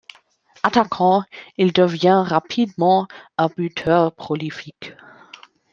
Attaquant, il devient rapidement un buteur prolifique.